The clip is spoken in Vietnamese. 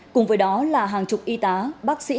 cùng với đó là hàng chục y tá bác sĩ